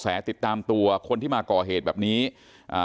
ติดตามตัวคนที่มาก่อเหตุแบบนี้อ่า